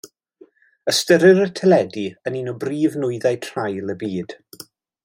Ystyrir y teledu yn un o brif nwyddau traul y byd.